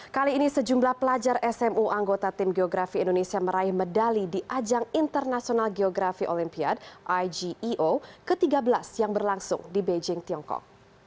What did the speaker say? kali ini sejumlah pelajar smu anggota tim geografi indonesia meraih medali di ajang internasional geografi olimpiade igeo ke tiga belas yang berlangsung di beijing tiongkok